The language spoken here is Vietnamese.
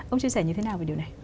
ông chia sẻ như thế nào về điều này